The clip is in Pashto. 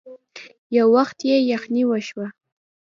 يو وخت يې يخنې وشوه.